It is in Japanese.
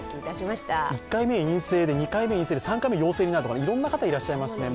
１回目、陰性で、２回目、陰性で３回目陽性になるとか、いろんな方がいらっしゃいますね。